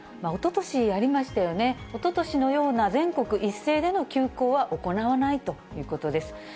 おととしありましたよね、おととしのような、全国一斉での休校は行わないということです。